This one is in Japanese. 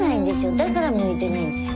だから向いてないんですよ。